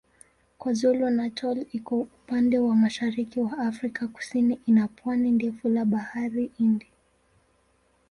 KwaZulu-Natal iko upande wa mashariki wa Afrika Kusini ina pwani ndefu la Bahari Hindi.